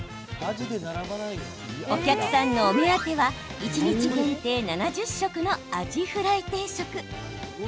お客さんのお目当ては一日限定７０食のアジフライ定食。